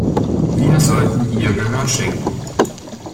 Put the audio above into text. Wir sollten ihr Gehör schenken.